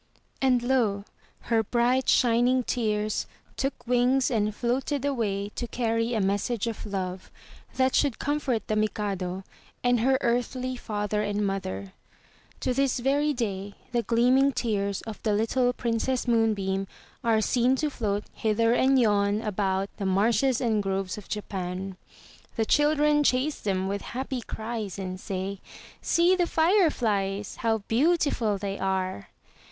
And lo! her bright, shining tears took wings and floated away to carry a message of love, that should comfort the Mikado, and her earthly father and mother. To this very day the gleaming tears of the little Princess Moonbeam are seen to float hither and yon about the marshes and groves of Japan. The children chase them with happy cries and say, See the fire flies! How beautiful they are!"